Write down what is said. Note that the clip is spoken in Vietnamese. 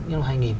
như là hai nghìn